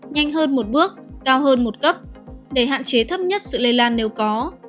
nhanh hơn một bước cao hơn một cấp để hạn chế thấp nhất sự lây lan nếu có